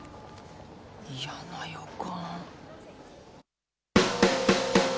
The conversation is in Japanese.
嫌な予感。